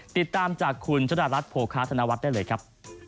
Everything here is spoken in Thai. ติดตามจากคุณชะดารัฐโภคาธนวัฒน์ได้เลยครับ